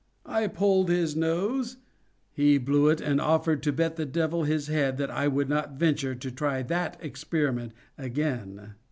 I pulled his nose—he blew it, and offered to bet the Devil his head that I would not venture to try that experiment again.